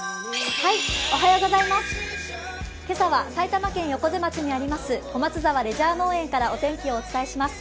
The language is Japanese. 今朝は埼玉県横瀬町にあります小松沢レジャー農園からお天気をお伝えします。